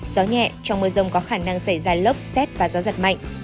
gió nhẹ trong mưa rông có khả năng xảy ra lốc xét và gió giật mạnh